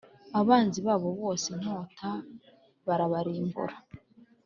abanzi babo bose inkota barabarimbura